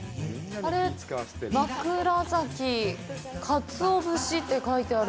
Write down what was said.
あれ、枕崎鰹節って書いてある。